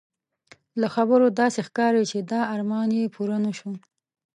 له خبرو داسې ښکاري چې دا ارمان یې پوره نه شو.